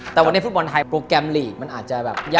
แต่วันนี้ฟุตบอลไทยโปรแกรมลีกมันอาจจะแบบยาก